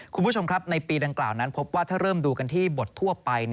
คุณผู้ชมครับในปีดังกล่าวนั้นพบว่าถ้าเริ่มดูกันที่บททั่วไป